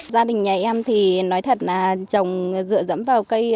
gia đình nhà em thì nói thật là chồng dựa dẫm vào cây